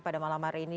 pada malam hari ini